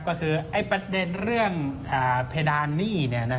ก็คือประเด็นเรื่องเพดานหนี้